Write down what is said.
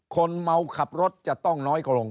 คนเมาขับรถจะต้องน้อยกว่าลง